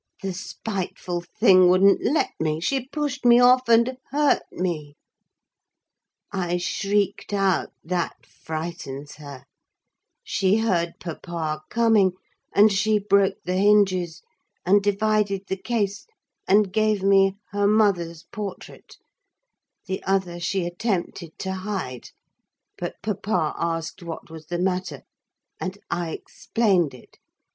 The spiteful thing wouldn't let me: she pushed me off, and hurt me. I shrieked out—that frightens her—she heard papa coming, and she broke the hinges and divided the case, and gave me her mother's portrait; the other she attempted to hide: but papa asked what was the matter, and I explained it.